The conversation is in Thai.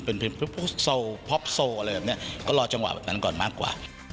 เป็นผู้โซฮอปโซอะไรแบบนี้ก็รอจังหวะแบบนั้นก่อนมากกว่า